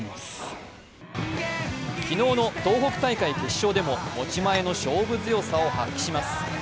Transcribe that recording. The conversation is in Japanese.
昨日の東北大会決勝でも持ち前の勝負強さを発揮します。